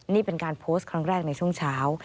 นี่เป็นการโพสต์ครั้งแรกในช่วงเช้า